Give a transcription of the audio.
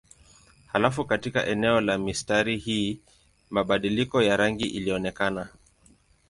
Halafu katika eneo la mistari hii mabadiliko ya rangi ilionekana.